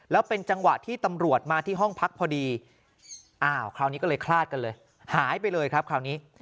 แล้วเป็นจังหวะที่ตำรวจมาที่ห้องพักพอดีอ้าวคราวนี้ก็เลยคลาดกันเลยหายไปเลยครับคราวนี้